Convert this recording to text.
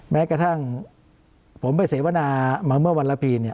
แม้กระทั่งผมไปเสวนามาเมื่อวันละปี